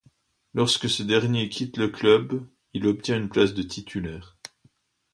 Lorsque ce dernier quitte le club, il obtient une place de titulaire.